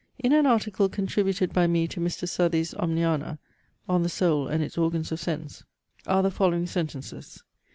In an article contributed by me to Mr. Southey's Omniana, On the soul and its organs of sense, are the following sentences.